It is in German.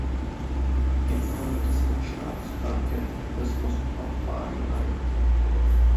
Infolge des Anschlags brach der Tourismus auf Bali ein.